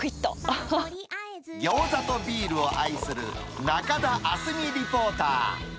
ギョーザとビールを愛する、中田あすみリポーター。